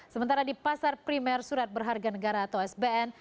sementara di pasar primer surat berharga negara atau sbn